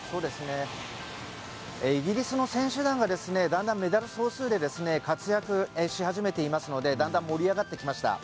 イギリスの選手団がだんだんメダル総数で活躍し始めていますのでだんだん盛り上がってきました。